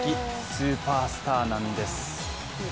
スーパースターなんです。